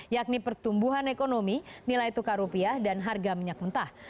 yakni pertumbuhan ekonomi nilai tukar rupiah dan harga minyak mentah